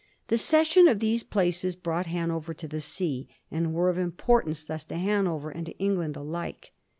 The cession of these placea brought Hanover to the sea, and were of importance thus to Hanover and to England alike.